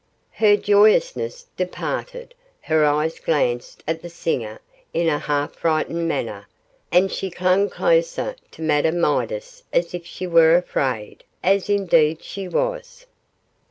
Her joyousness departed, her eyes glanced at the singer in a half frightened manner, and she clung closer to Madame Midas as if she were afraid, as indeed she was.